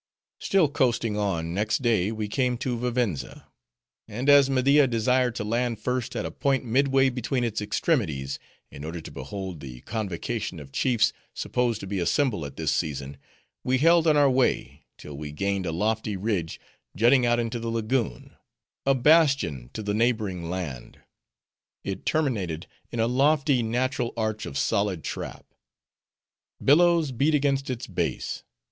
Still coasting on, next day, we came to Vivenza; and as Media desired to land first at a point midway between its extremities, in order to behold the convocation of chiefs supposed to be assembled at this season, we held on our way, till we gained a lofty ridge, jutting out into the lagoon, a bastion to the neighboring land. It terminated in a lofty natural arch of solid trap. Billows beat against its base.